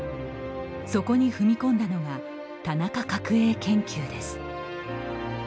そこに踏み込んだのが「田中角栄研究」です。